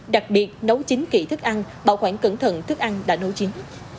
đặc biệt nấu chính kỹ thức ăn bảo quản cẩn thận thức ăn đã nấu chín